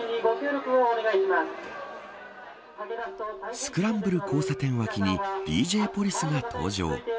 スクランブル交差点脇にＤＪポリスが登場。